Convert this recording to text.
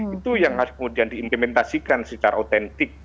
itu yang harus kemudian diimplementasikan secara otentik